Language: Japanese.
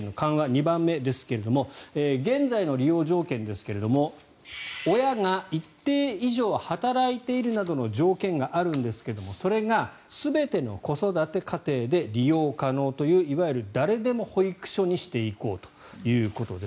２番目ですが現在の利用条件ですが親が一定以上働いているなどの条件があるんですがそれが全ての子育て家庭で利用可能といういわゆる誰でも保育所としていこうということです。